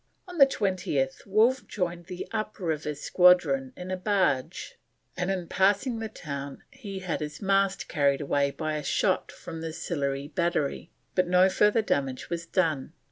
On the 20th Wolfe joined the up river squadron in a barge, and in passing the town had his mast carried away by a shot from the Sillery Battery, but no further damage was done.